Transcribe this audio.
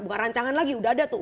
bukan rancangan lagi udah ada tuh